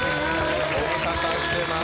ご無沙汰してます